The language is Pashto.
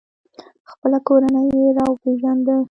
خپله کورنۍ یې را وپیژنده.